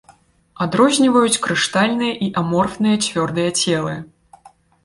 Адрозніваюць крышталічныя і аморфныя цвёрдыя целы.